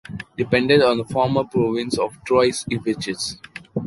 Depended on the former province of the Trois-Évêchés.